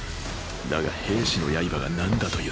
だが兵士の刃が何だと言うんだ。